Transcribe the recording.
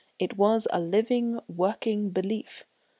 It was a living, working belief.